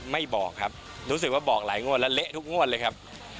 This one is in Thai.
ไม่บอกครับรู้สึกว่าบอกหลายงวดและเละทุกงวดเลยครับ